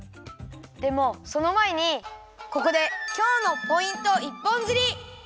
でもそのまえにここで今日のポイント一本釣り！